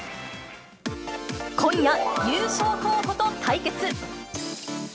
今夜、優勝候補と対決。